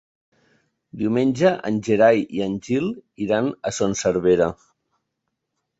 Diumenge en Gerai i en Gil iran a Son Servera.